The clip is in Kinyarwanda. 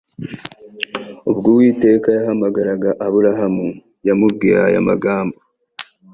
Ubwo Uwiteka yahamagaraga Aburahamu yamubwiye aya magambo